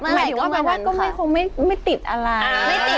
เมื่อไหร่ก็เมื่อนั้นค่ะหมายถึงว่าคงไม่ไม่ติดอะไรอ่าไม่ติด